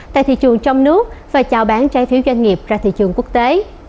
tại thị trường trong nước và trào bán trái phiếu doanh nghiệp ra thị trường quốc tế